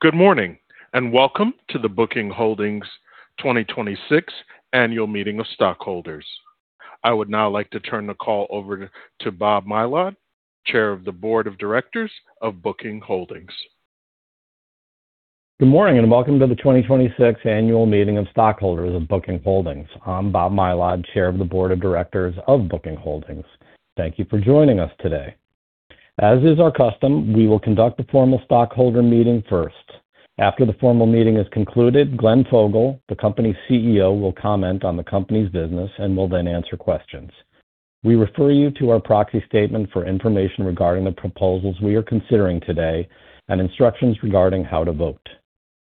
Good morning, and welcome to the Booking Holdings 2026 Annual Meeting of Stockholders. I would now like to turn the call over to Bob Mylod, Chair of the Board of Directors of Booking Holdings. Good morning, and welcome to the 2026 Annual Meeting of Stockholders of Booking Holdings. I'm Bob Mylod, Chair of the Board of Directors of Booking Holdings. Thank you for joining us today. As is our custom, we will conduct the formal stockholder meeting first. After the formal meeting is concluded, Glenn Fogel, the company's CEO, will comment on the company's business and will then answer questions. We refer you to our proxy statement for information regarding the proposals we are considering today and instructions regarding how to vote.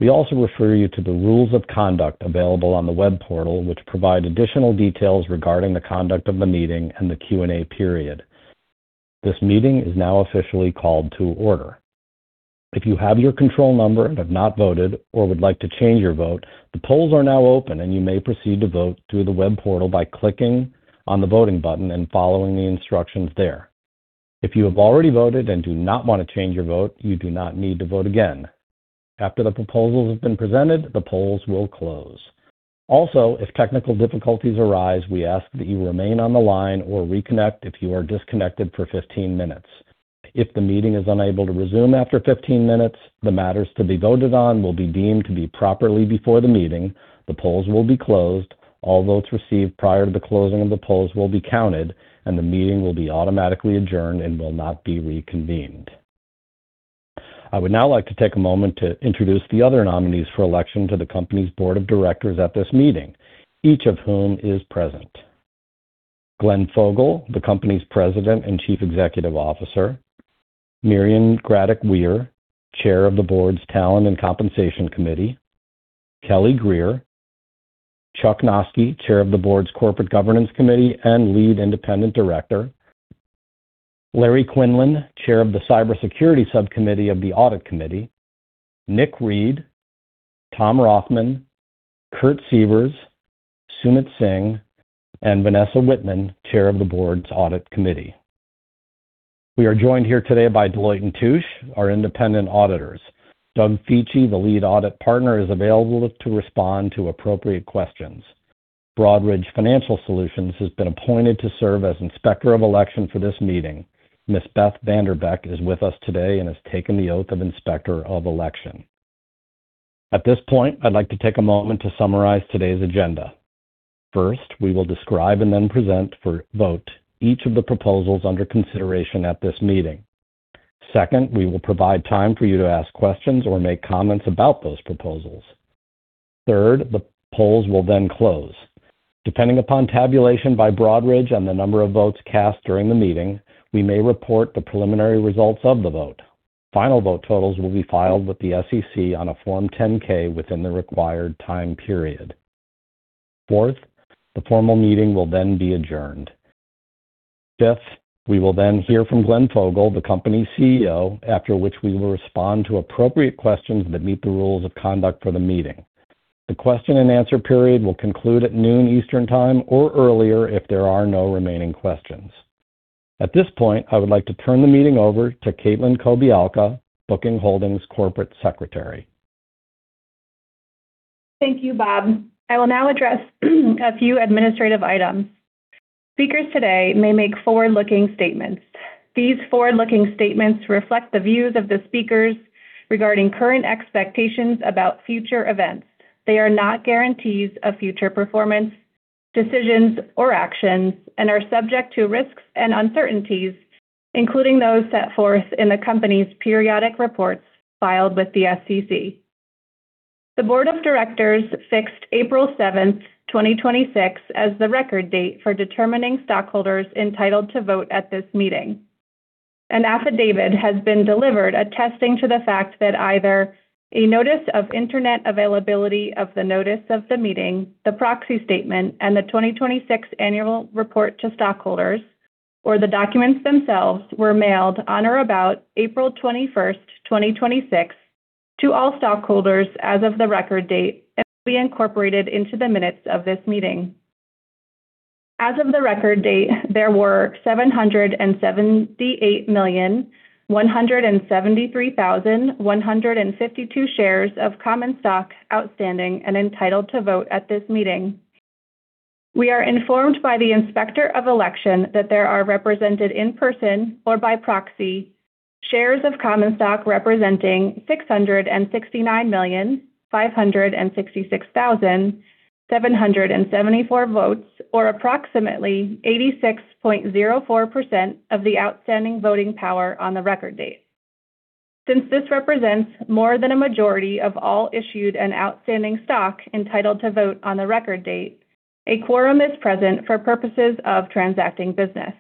We also refer you to the rules of conduct available on the web portal, which provide additional details regarding the conduct of the meeting and the Q&A period. This meeting is now officially called to order. If you have your control number and have not voted or would like to change your vote, the polls are now open, and you may proceed to vote through the web portal by clicking on the voting button and following the instructions there. If you have already voted and do not want to change your vote, you do not need to vote again. After the proposals have been presented, the polls will close. Also, if technical difficulties arise, we ask that you remain on the line or reconnect if you are disconnected for 15 minutes. If the meeting is unable to resume after 15 minutes, the matters to be voted on will be deemed to be properly before the meeting, the polls will be closed, all votes received prior to the closing of the polls will be counted, and the meeting will be automatically adjourned and will not be reconvened. I would now like to take a moment to introduce the other nominees for election to the company's board of directors at this meeting, each of whom is present. Glenn Fogel, the company's President and Chief Executive Officer. Mirian Graddick-Weir, Chair of the Board's Talent and Compensation Committee. Kelly Grier. Chuck Noski, Chair of the Board's Corporate Governance Committee and Lead Independent Director. Larry Quinlan, Chair of the Cybersecurity Subcommittee of the Audit Committee. Nick Read. Tom Rothman. Kurt Sievers. Sumit Singh, and Vanessa Wittman, Chair of the Board's Audit Committee. We are joined here today by Deloitte & Touche, our independent auditors. Doug Feachy, the Lead Audit Partner, is available to respond to appropriate questions. Broadridge Financial Solutions has been appointed to serve as Inspector of Election for this meeting. Ms. Beth Vander Beck is with us today and has taken the oath of Inspector of Election. At this point, I'd like to take a moment to summarize today's agenda. First, we will describe and then present for vote each of the proposals under consideration at this meeting. Second, we will provide time for you to ask questions or make comments about those proposals. Third, the polls will then close. Depending upon tabulation by Broadridge on the number of votes cast during the meeting, we may report the preliminary results of the vote. Final vote totals will be filed with the SEC on a Form 10-K within the required time period. Fourth, the formal meeting will then be adjourned. Fifth, we will then hear from Glenn Fogel, the company's CEO, after which we will respond to appropriate questions that meet the rules of conduct for the meeting. The question and answer period will conclude at noon Eastern Time or earlier if there are no remaining questions. At this point, I would like to turn the meeting over to Caitlin Kobialka, Booking Holdings' Corporate Secretary. Thank you, Bob. I will now address a few administrative items. Speakers today may make forward-looking statements. These forward-looking statements reflect the views of the speakers regarding current expectations about future events. They are not guarantees of future performance, decisions, or actions and are subject to risks and uncertainties, including those set forth in the company's periodic reports filed with the SEC. The Board of Directors fixed April 7th, 2026, as the record date for determining stockholders entitled to vote at this meeting. An affidavit has been delivered attesting to the fact that either a notice of internet availability of the notice of the meeting, the proxy statement, and the 2026 annual report to stockholders, or the documents themselves were mailed on or about April 21st, 2026, to all stockholders as of the record date and will be incorporated into the minutes of this meeting. As of the record date, there were 778,173,152 shares of common stock outstanding and entitled to vote at this meeting. We are informed by the Inspector of Election that there are represented in person or by proxy shares of common stock representing 669,566,774 votes, or approximately 86.04% of the outstanding voting power on the record date. Since this represents more than a majority of all issued and outstanding stock entitled to vote on the record date, a quorum is present for purposes of transacting business.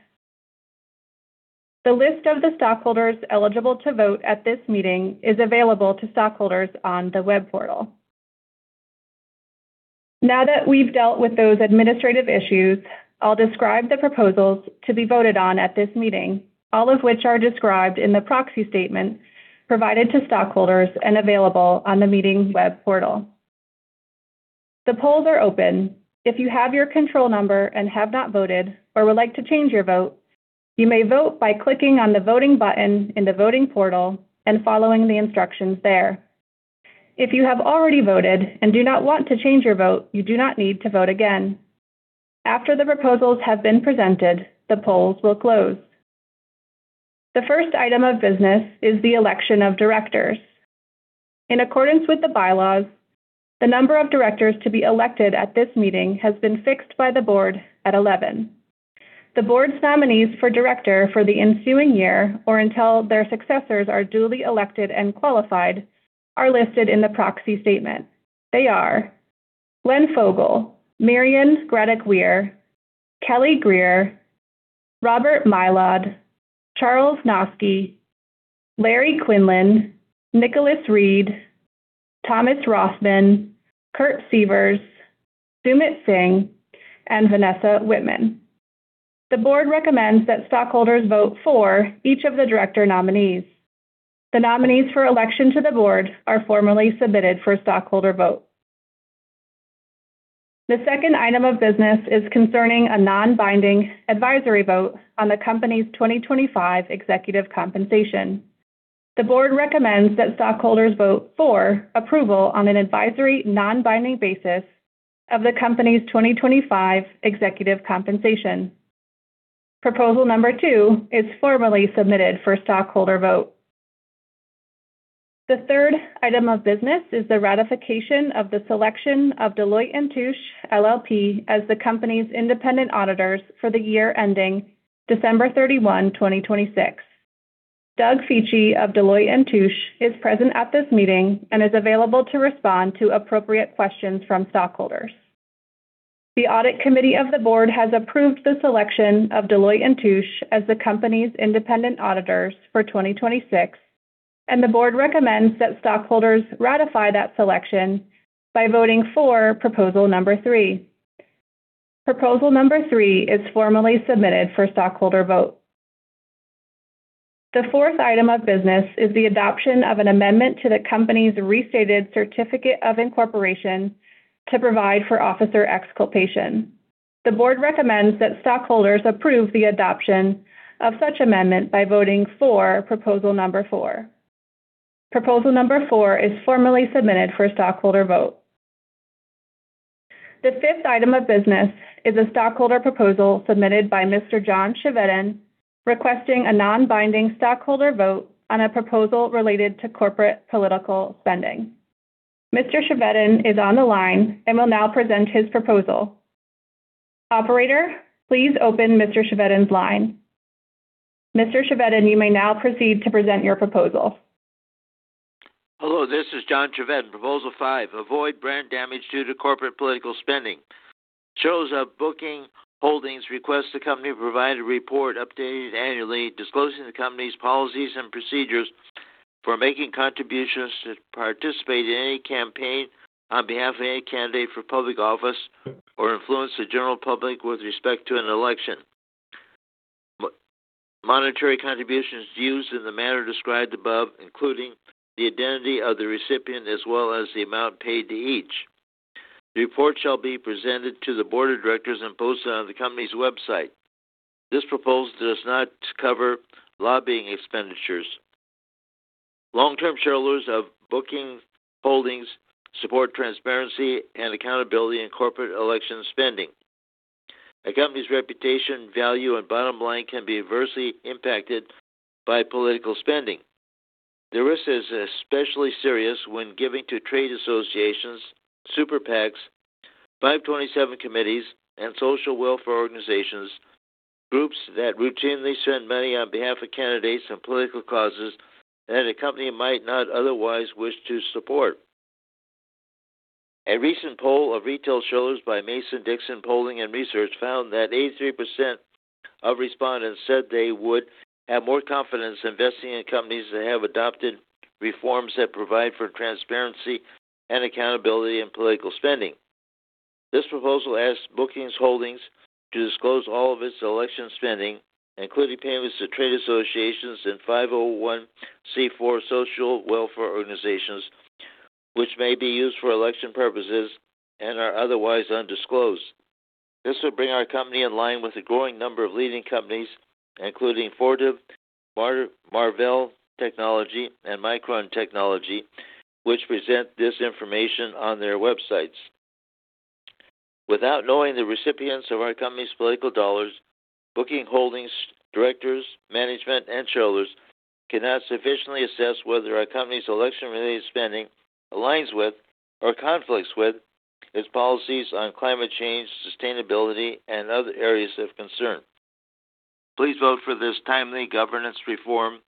The list of the stockholders eligible to vote at this meeting is available to stockholders on the web portal. Now that we've dealt with those administrative issues, I'll describe the proposals to be voted on at this meeting, all of which are described in the proxy statement provided to stockholders and available on the meeting's web portal. The polls are open. If you have your control number and have not voted or would like to change your vote, you may vote by clicking on the Voting button in the voting portal and following the instructions there. If you have already voted and do not want to change your vote, you do not need to vote again. After the proposals have been presented, the polls will close. The first item of business is the election of directors. In accordance with the bylaws, the number of directors to be elected at this meeting has been fixed by the board at 11. The board's nominees for director for the ensuing year, or until their successors are duly elected and qualified, are listed in the proxy statement. They are Glenn Fogel, Mirian Graddick-Weir, Kelly Grier, Robert Mylod, Charles Noski, Larry Quinlan, Nicholas Read, Thomas Rothman, Kurt Sievers, Sumit Singh, and Vanessa Wittman. The board recommends that stockholders vote for each of the director nominees. The nominees for election to the board are formally submitted for stockholder vote. The second item of business is concerning a non-binding advisory vote on the company's 2025 executive compensation. The board recommends that stockholders vote for approval on an advisory, non-binding basis of the company's 2025 executive compensation. Proposal number two is formally submitted for stockholder vote. The third item of business is the ratification of the selection of Deloitte & Touche LLP as the company's independent auditors for the year ending December 31, 2026. Doug Feachy of Deloitte & Touche is present at this meeting and is available to respond to appropriate questions from stockholders. The Audit Committee of the board has approved the selection of Deloitte & Touche as the company's independent auditors for 2026. The board recommends that stockholders ratify that selection by voting for proposal number three. Proposal number three is formally submitted for stockholder vote. The fourth item of business is the adoption of an amendment to the company's restated certificate of incorporation to provide for officer exculpation. The board recommends that stockholders approve the adoption of such amendment by voting for proposal number four. Proposal number four is formally submitted for stockholder vote. The fifth item of business is a stockholder proposal submitted by Mr. John Chevedden, requesting a non-binding stockholder vote on a proposal related to corporate political spending. Mr. Chevedden is on the line and will now present his proposal. Operator, please open Mr. Chevedden's line. Mr. Chevedden, you may now proceed to present your proposal. Hello, this is John Chevedden, proposal five. Avoid brand damage due to corporate political spending. Shareholders of Booking Holdings request the company provide a report updated annually, disclosing the company's policies and procedures for making contributions to participate in any campaign on behalf of any candidate for public office or influence the general public with respect to an election. Monetary contributions used in the manner described above, including the identity of the recipient as well as the amount paid to each. The report shall be presented to the board of directors and posted on the company's website. This proposal does not cover lobbying expenditures. Long-term shareholders of Booking Holdings support transparency and accountability in corporate election spending. A company's reputation, value, and bottom line can be adversely impacted by political spending. The risk is especially serious when giving to trade associations, super PACs, 527 committee, and social welfare organizations, groups that routinely spend money on behalf of candidates and political causes that a company might not otherwise wish to support. A recent poll of retail shareholders by Mason-Dixon Polling & Strategy found that 83% of respondents said they would have more confidence investing in companies that have adopted reforms that provide for transparency and accountability in political spending. This proposal asks Booking Holdings to disclose all of its election spending, including payments to trade associations and 501(c)(4) social welfare organizations, which may be used for election purposes and are otherwise undisclosed. This would bring our company in line with a growing number of leading companies, including Fortive, Marvell Technology, and Micron Technology, which present this information on their websites. Without knowing the recipients of our company's political dollars, Booking Holdings directors, management, and shareholders cannot sufficiently assess whether our company's election-related spending aligns with or conflicts with its policies on climate change, sustainability, and other areas of concern. Please vote for this timely governance reform.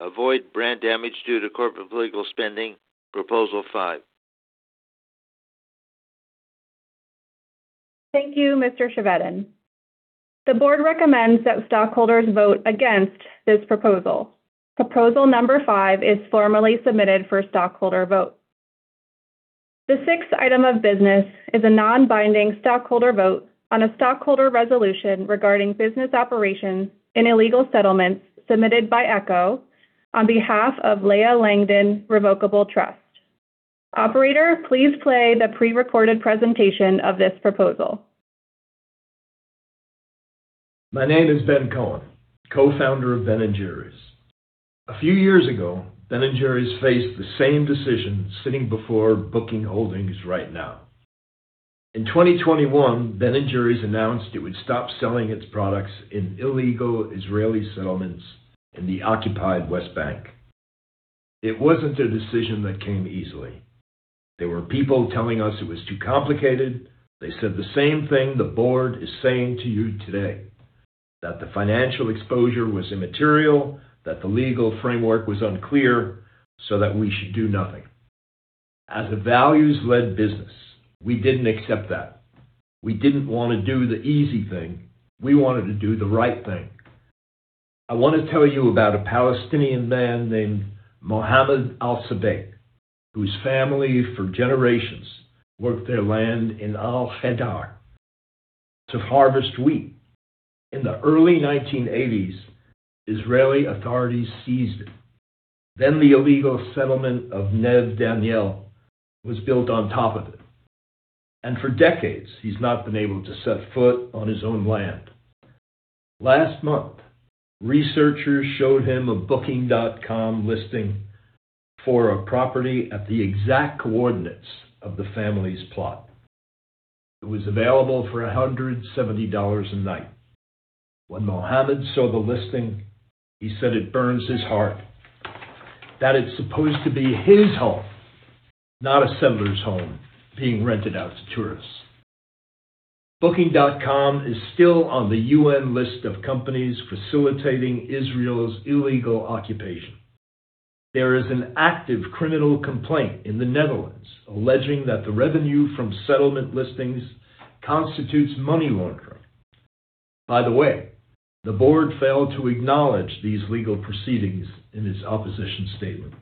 Avoid brand damage due to corporate political spending, proposal five. Thank you, Mr. Chevedden. The board recommends that stockholders vote against this proposal. Proposal number five is formally submitted for stockholder vote. The sixth item of business is a non-binding stockholder vote on a stockholder resolution regarding business operations in illegal settlements submitted by Ekō on behalf of Leah Langdon Revocable Trust. Operator, please play the pre-recorded presentation of this proposal My name is Ben Cohen, Co-Founder of Ben & Jerry's. A few years ago, Ben & Jerry's faced the same decision sitting before Booking Holdings right now. In 2021, Ben & Jerry's announced it would stop selling its products in illegal Israeli settlements in the occupied West Bank. It wasn't a decision that came easily. There were people telling us it was too complicated. They said the same thing the board is saying to you today, that the financial exposure was immaterial, that the legal framework was unclear, that we should do nothing. As a values-led business, we didn't accept that. We didn't want to do the easy thing. We wanted to do the right thing. I want to tell you about a Palestinian man named Mohammed Al-Sabeet, whose family for generations worked their land in Al-Khader to harvest wheat. In the early 1980s, Israeli authorities seized it. The illegal settlement of Neve Daniel was built on top of it. For decades, he's not been able to set foot on his own land. Last month, researchers showed him a Booking.com listing for a property at the exact coordinates of the family's plot. It was available for $170 a night. When Mohammed saw the listing, he said it burns his heart. That it's supposed to be his home, not a settler's home being rented out to tourists. Booking.com is still on the UN list of companies facilitating Israel's illegal occupation. There is an active criminal complaint in the Netherlands alleging that the revenue from settlement listings constitutes money laundering. By the way, the board failed to acknowledge these legal proceedings in its opposition statement.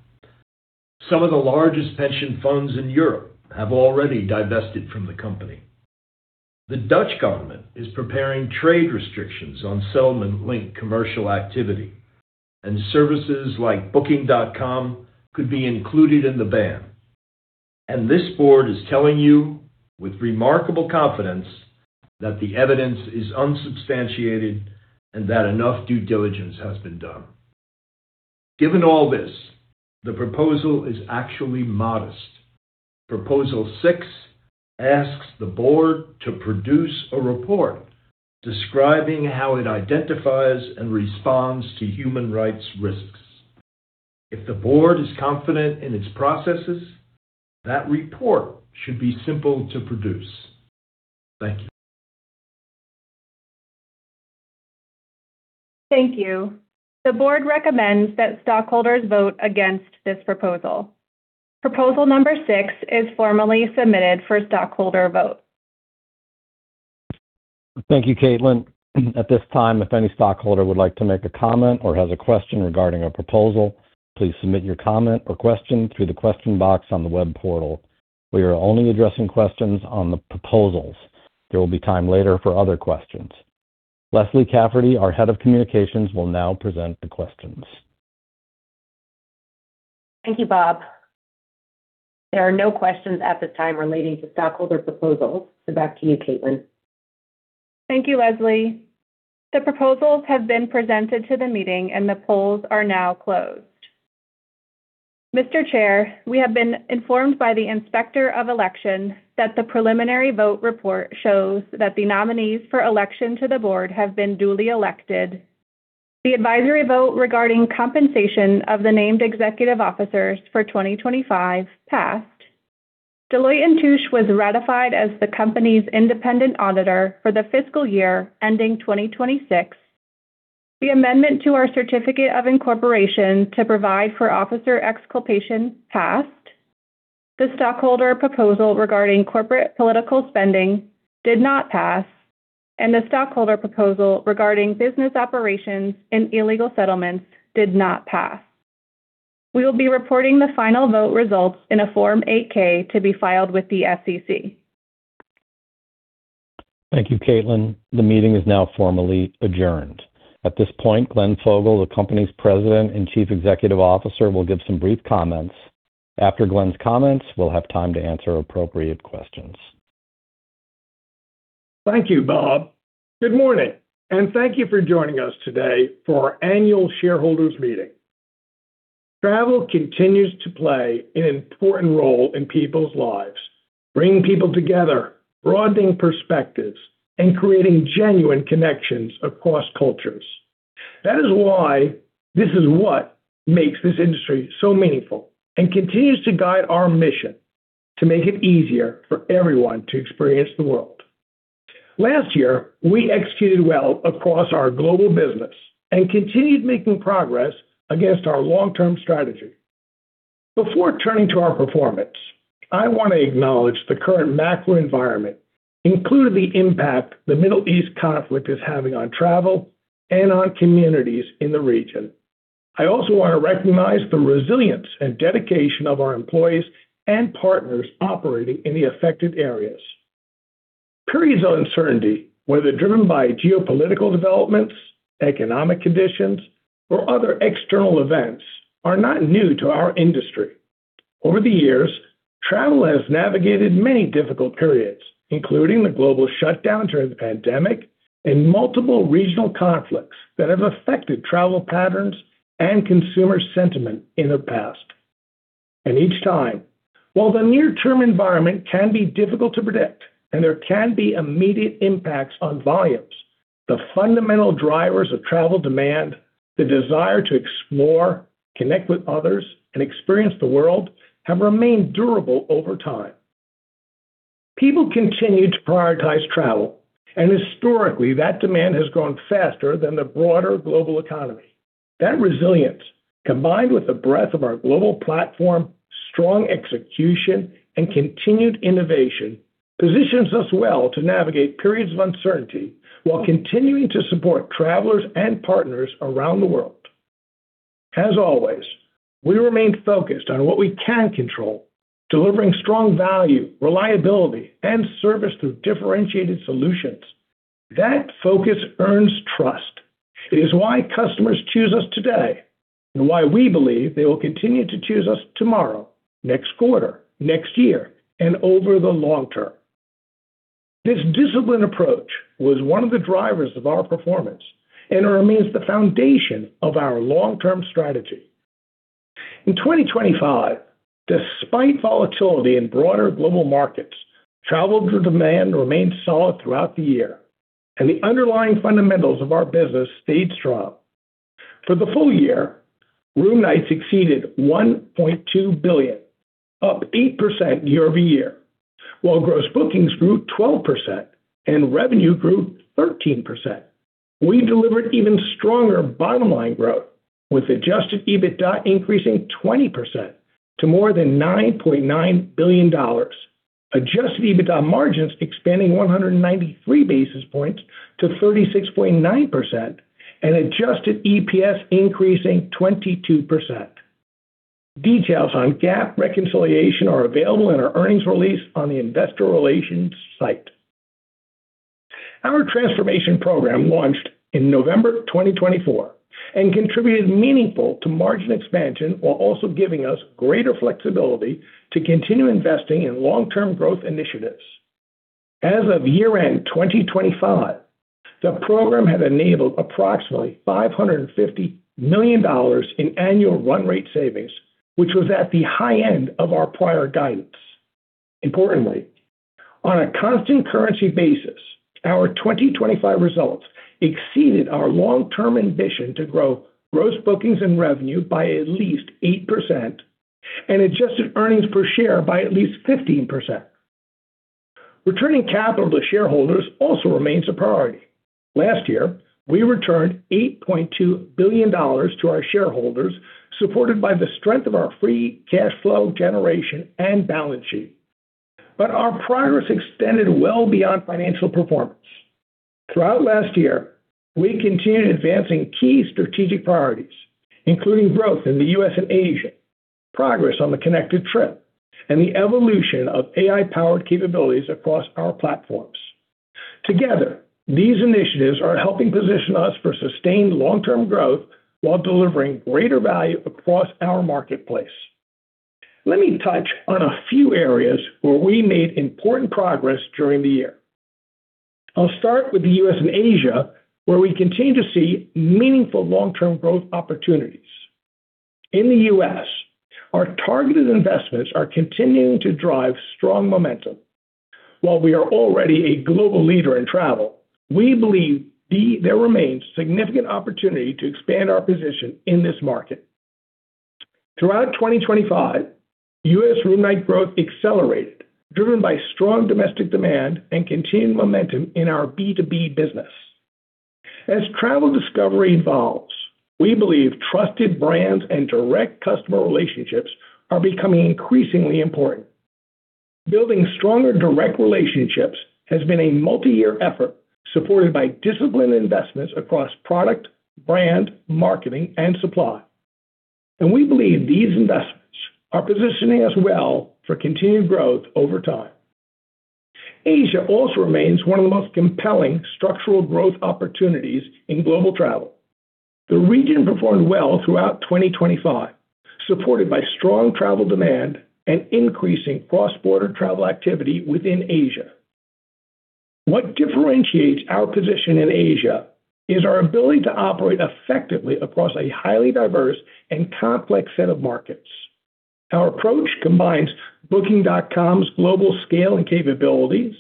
Some of the largest pension funds in Europe have already divested from the company. The Dutch government is preparing trade restrictions on settlement-linked commercial activity, and services like Booking.com could be included in the ban. This board is telling you with remarkable confidence that the evidence is unsubstantiated and that enough due diligence has been done. Given all this, the proposal is actually modest. Proposal six asks the board to produce a report describing how it identifies and responds to human rights risks. If the board is confident in its processes, that report should be simple to produce. Thank you. Thank you. The board recommends that stockholders vote against this proposal. Proposal number six is formally submitted for stockholder vote. Thank you, Caitlin. At this time, if any stockholder would like to make a comment or has a question regarding a proposal, please submit your comment or question through the question box on the web portal. We are only addressing questions on the proposals. There will be time later for other questions. Leslie Cafferty, our Head of Communications, will now present the questions. Thank you, Bob. There are no questions at this time relating to stockholder proposals. Back to you, Caitlin. Thank you, Leslie. The proposals have been presented to the meeting and the polls are now closed. Mr. Chair, we have been informed by the Inspector of Election that the preliminary vote report shows that the nominees for election to the board have been duly elected. The advisory vote regarding compensation of the named executive officers for 2025 passed. Deloitte & Touche was ratified as the company's independent auditor for the fiscal year ending 2026. The amendment to our certificate of incorporation to provide for officer exculpation passed. The stockholder proposal regarding corporate political spending did not pass, and the stockholder proposal regarding business operations in illegal settlements did not pass. We will be reporting the final vote results in a Form 8-K to be filed with the SEC. Thank you, Caitlin. The meeting is now formally adjourned. At this point, Glenn Fogel, the company's President and Chief Executive Officer, will give some brief comments. After Glenn's comments, we'll have time to answer appropriate questions. Thank you, Bob. Good morning, and thank you for joining us today for our annual shareholders meeting. Travel continues to play an important role in people's lives, bringing people together, broadening perspectives, and creating genuine connections across cultures. That is why this is what makes this industry so meaningful and continues to guide our mission to make it easier for everyone to experience the world. Last year, we executed well across our global business and continued making progress against our long-term strategy. Before turning to our performance, I want to acknowledge the current macro environment, including the impact the Middle East conflict is having on travel and on communities in the region. I also want to recognize the resilience and dedication of our employees and partners operating in the affected areas. Periods of uncertainty, whether driven by geopolitical developments, economic conditions, or other external events, are not new to our industry. Over the years, travel has navigated many difficult periods, including the global shutdown during the pandemic and multiple regional conflicts that have affected travel patterns and consumer sentiment in the past. Each time, while the near-term environment can be difficult to predict and there can be immediate impacts on volumes, the fundamental drivers of travel demand, the desire to explore, connect with others, and experience the world have remained durable over time. People continue to prioritize travel, and historically, that demand has grown faster than the broader global economy. That resilience, combined with the breadth of our global platform, strong execution, and continued innovation, positions us well to navigate periods of uncertainty while continuing to support travelers and partners around the world. As always, we remain focused on what we can control, delivering strong value, reliability, and service through differentiated solutions. That focus earns trust. It is why customers choose us today and why we believe they will continue to choose us tomorrow, next quarter, next year, and over the long term. This disciplined approach was one of the drivers of our performance and remains the foundation of our long-term strategy. In 2025, despite volatility in broader global markets, travel demand remained solid throughout the year, and the underlying fundamentals of our business stayed strong. For the full year, room nights exceeded 1.2 billion, up 8% year-over-year, while gross bookings grew 12% and revenue grew 13%. We delivered even stronger bottom-line growth with adjusted EBITDA increasing 20% to more than $9.9 billion, adjusted EBITDA margins expanding 193 basis points to 36.9%, and adjusted EPS increasing 22%. Details on GAAP reconciliation are available in our earnings release on the investor relations site. Our transformation program launched in November 2024 and contributed meaningful to margin expansion while also giving us greater flexibility to continue investing in long-term growth initiatives. As of year-end 2025, the program had enabled approximately $550 million in annual run rate savings, which was at the high end of our prior guidance. Importantly, on a constant currency basis, our 2025 results exceeded our long-term ambition to grow gross bookings and revenue by at least 8% and adjusted earnings per share by at least 15%. Returning capital to shareholders also remains a priority. Last year, we returned $8.2 billion to our shareholders, supported by the strength of our free cash flow generation and balance sheet. Our progress extended well beyond financial performance. Throughout last year, we continued advancing key strategic priorities, including growth in the U.S. and Asia, progress on the connected trip, and the evolution of AI-powered capabilities across our platforms. Together, these initiatives are helping position us for sustained long-term growth while delivering greater value across our marketplace. Let me touch on a few areas where we made important progress during the year. I'll start with the U.S. and Asia, where we continue to see meaningful long-term growth opportunities. In the U.S., our targeted investments are continuing to drive strong momentum. While we are already a global leader in travel, we believe there remains significant opportunity to expand our position in this market. Throughout 2025, U.S. room night growth accelerated, driven by strong domestic demand and continued momentum in our B2B business. As travel discovery evolves, we believe trusted brands and direct customer relationships are becoming increasingly important. Building stronger direct relationships has been a multi-year effort, supported by disciplined investments across product, brand, marketing, and supply. We believe these investments are positioning us well for continued growth over time. Asia also remains one of the most compelling structural growth opportunities in global travel. The region performed well throughout 2025, supported by strong travel demand and increasing cross-border travel activity within Asia. What differentiates our position in Asia is our ability to operate effectively across a highly diverse and complex set of markets. Our approach combines Booking.com's global scale and capabilities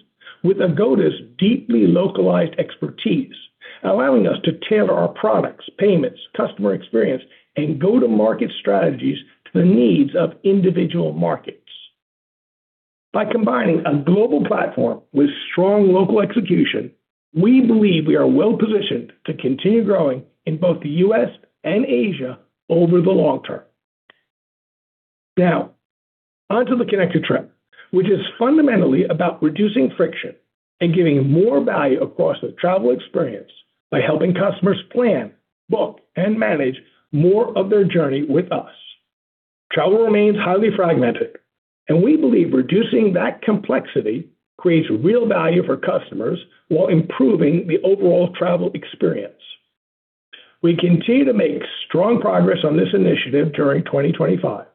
with Agoda's deeply localized expertise, allowing us to tailor our products, payments, customer experience, and go-to-market strategies to the needs of individual markets. By combining a global platform with strong local execution, we believe we are well-positioned to continue growing in both the U.S. and Asia over the long term. Now, onto the connected trip, which is fundamentally about reducing friction and giving more value across the travel experience by helping customers plan, book, and manage more of their journey with us. Travel remains highly fragmented, and we believe reducing that complexity creates real value for customers while improving the overall travel experience. We continue to make strong progress on this initiative during 2025.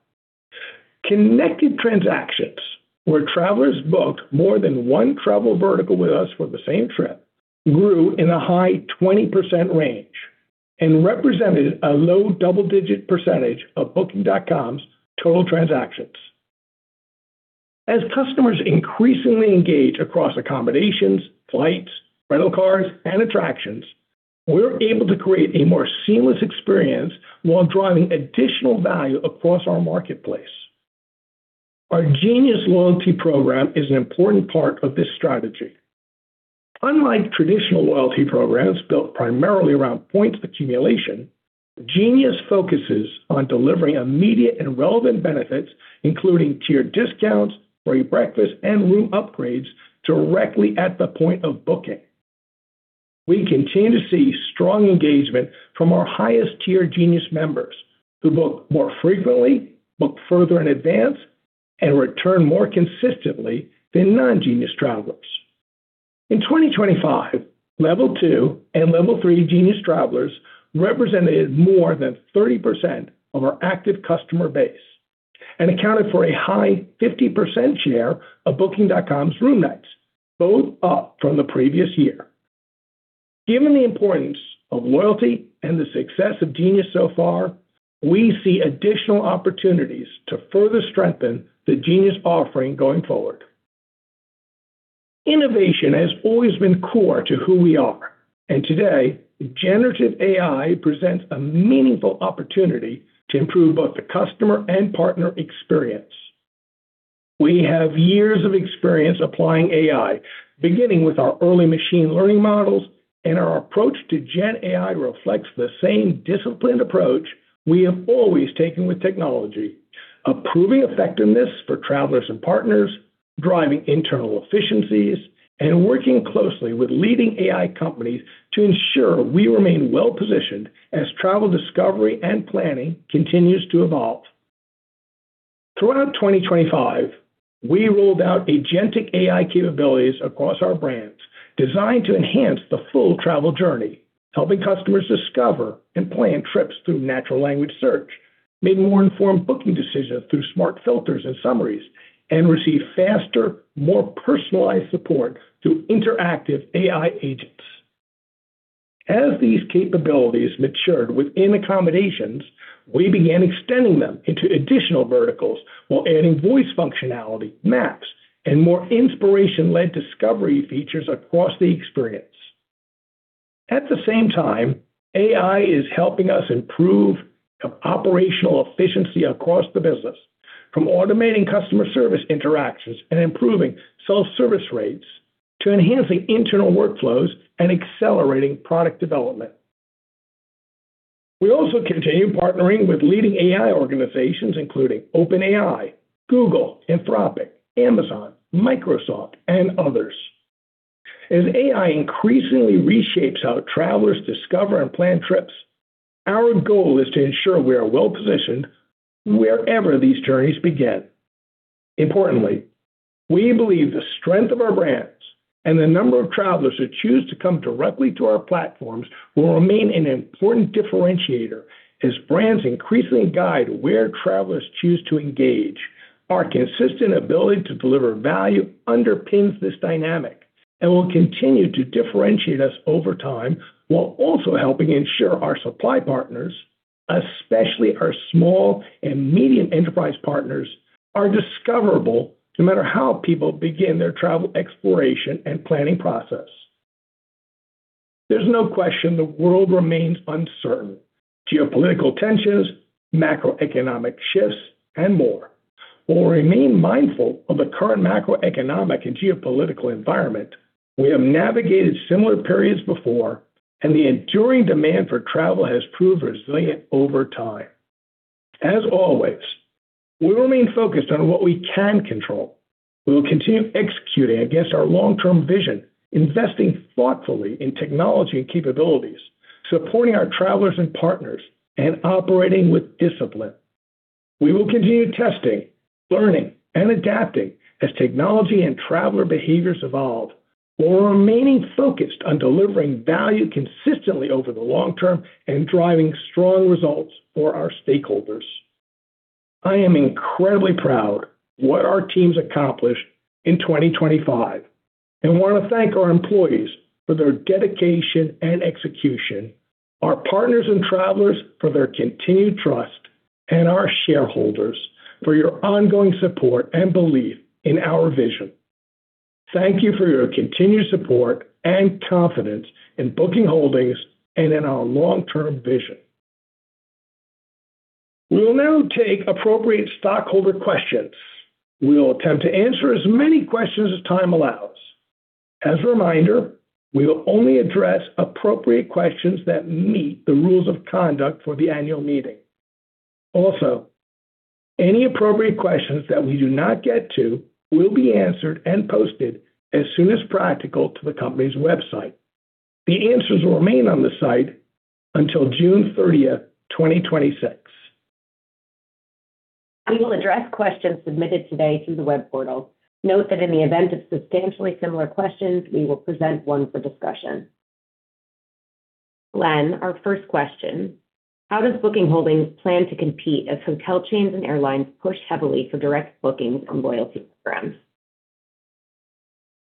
Connected transactions, where travelers booked more than one travel vertical with us for the same trip, grew in a high 20% range and represented a low double-digit percentage of Booking.com's total transactions. As customers increasingly engage across accommodations, flights, rental cars, and attractions, we're able to create a more seamless experience while driving additional value across our marketplace. Our Genius loyalty program is an important part of this strategy. Unlike traditional loyalty programs built primarily around points accumulation, Genius focuses on delivering immediate and relevant benefits, including tiered discounts, free breakfast, and room upgrades directly at the point of booking. We continue to see strong engagement from our highest tier Genius members, who book more frequently, book further in advance, and return more consistently than non-Genius travelers. In 2025, level two and level three Genius travelers represented more than 30% of our active customer base and accounted for a high 50% share of Booking.com's room nights, both up from the previous year. Given the importance of loyalty and the success of Genius so far, we see additional opportunities to further strengthen the Genius offering going forward. Innovation has always been core to who we are, and today, generative AI presents a meaningful opportunity to improve both the customer and partner experience. We have years of experience applying AI, beginning with our early machine learning models, and our approach to gen AI reflects the same disciplined approach we have always taken with technology. Approving effectiveness for travelers and partners, driving internal efficiencies, and working closely with leading AI companies to ensure we remain well-positioned as travel discovery and planning continues to evolve. Throughout 2025, we rolled out agentic AI capabilities across our brands designed to enhance the full travel journey. Helping customers discover and plan trips through natural language search, make more informed booking decisions through smart filters and summaries, and receive faster, more personalized support through interactive AI agents. As these capabilities matured within accommodations, we began extending them into additional verticals while adding voice functionality, maps, and more inspiration-led discovery features across the experience. At the same time, AI is helping us improve operational efficiency across the business, from automating customer service interactions and improving self-service rates to enhancing internal workflows and accelerating product development. We also continue partnering with leading AI organizations, including OpenAI, Google, Anthropic, Amazon, Microsoft, and others. As AI increasingly reshapes how travelers discover and plan trips, our goal is to ensure we are well-positioned wherever these journeys begin. Importantly, we believe the strength of our brands and the number of travelers who choose to come directly to our platforms will remain an important differentiator as brands increasingly guide where travelers choose to engage. Our consistent ability to deliver value underpins this dynamic and will continue to differentiate us over time, while also helping ensure our supply partners, especially our small and medium enterprise partners, are discoverable no matter how people begin their travel exploration and planning process. There's no question the world remains uncertain. Geopolitical tensions, macroeconomic shifts, and more. While we remain mindful of the current macroeconomic and geopolitical environment, we have navigated similar periods before, and the enduring demand for travel has proved resilient over time. As always, we remain focused on what we can control. We will continue executing against our long-term vision, investing thoughtfully in technology and capabilities, supporting our travelers and partners, and operating with discipline. We will continue testing, learning, and adapting as technology and traveler behaviors evolve while remaining focused on delivering value consistently over the long term and driving strong results for our stakeholders. I am incredibly proud of what our team's accomplished in 2025 and want to thank our employees for their dedication and execution, our partners and travelers for their continued trust, and our shareholders for your ongoing support and belief in our vision. Thank you for your continued support and confidence in Booking Holdings and in our long-term vision. We will now take appropriate stockholder questions. We will attempt to answer as many questions as time allows. As a reminder, we will only address appropriate questions that meet the rules of conduct for the annual meeting. Also, any appropriate questions that we do not get to will be answered and posted as soon as practical to the company's website. The answers will remain on the site until June 30th, 2026. We will address questions submitted today through the web portal. Note that in the event of substantially similar questions, we will present one for discussion. Glenn, our first question: how does Booking Holdings plan to compete as hotel chains and airlines push heavily for direct bookings and loyalty programs?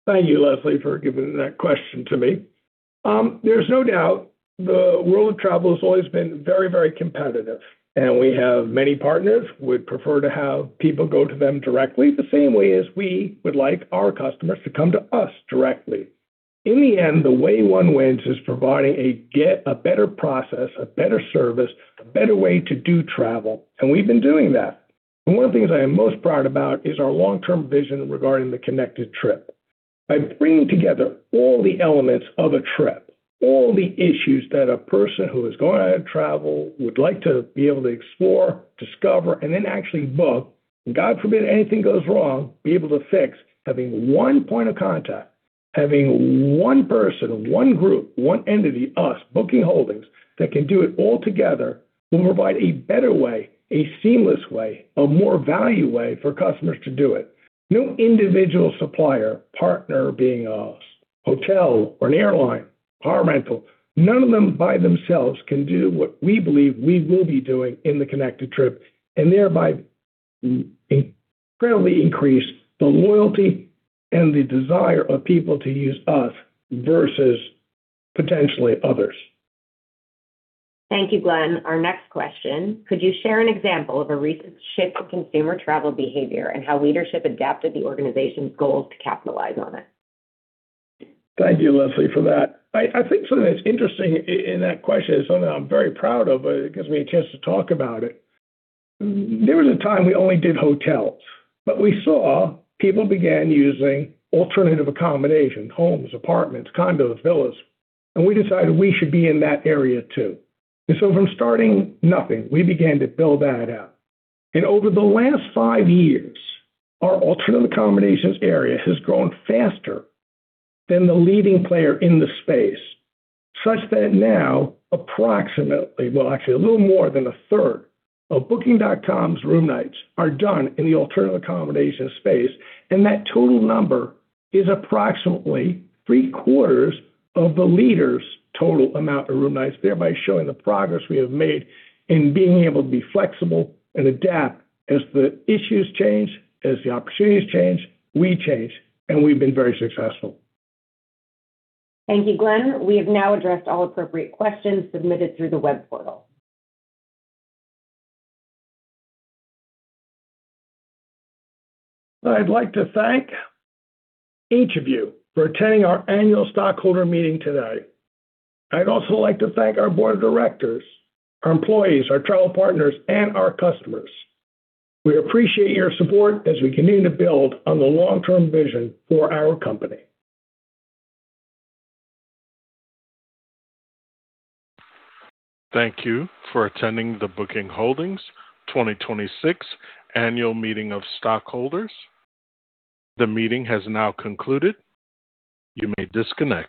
Thank you, Leslie, for giving that question to me. There's no doubt the world of travel has always been very competitive, and we have many partners who would prefer to have people go to them directly, the same way as we would like our customers to come to us directly. In the end, the way one wins is providing a better process, a better service, a better way to do travel, and we've been doing that. One of the things I am most proud about is our long-term vision regarding the connected trip. By bringing together all the elements of a trip, all the issues that a person who is going to travel would like to be able to explore, discover, and then actually book, and God forbid anything goes wrong, be able to fix, having one point of contact, having one person, one group, one entity, us, Booking Holdings, that can do it all together, will provide a better way, a seamless way, a more value way for customers to do it. No individual supplier, partner, being a hotel or an airline, car rental, none of them by themselves can do what we believe we will be doing in the connected trip, and thereby incredibly increase the loyalty and the desire of people to use us versus potentially others. Thank you, Glenn. Our next question: could you share an example of a recent shift in consumer travel behavior and how leadership adapted the organization's goals to capitalize on it? Thank you, Leslie, for that. I think something that's interesting in that question is something I'm very proud of. It gives me a chance to talk about it. There was a time we only did hotels, but we saw people began using alternative accommodation, homes, apartments, condos, villas, and we decided we should be in that area too. From starting nothing, we began to build that out. Over the last five years, our alternative accommodations area has grown faster than the leading player in the space, such that now approximately, well, actually a little more than a third of Booking.com's room nights are done in the alternative accommodations space. That total number is approximately three-quarters of the leader's total amount of room nights, thereby showing the progress we have made in being able to be flexible and adapt as the issues change, as the opportunities change, we change, and we've been very successful. Thank you, Glenn. We have now addressed all appropriate questions submitted through the web portal. I'd like to thank each of you for attending our annual stockholder meeting today. I'd also like to thank our board of directors, our employees, our travel partners, and our customers. We appreciate your support as we continue to build on the long-term vision for our company. Thank you for attending the Booking Holdings 2026 annual meeting of stockholders. The meeting has now concluded. You may disconnect.